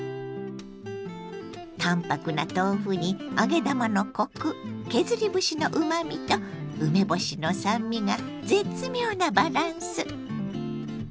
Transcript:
淡泊な豆腐に揚げ玉のコク削り節のうまみと梅干しの酸味が絶妙なバランス！